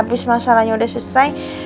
habis masalahnya udah selesai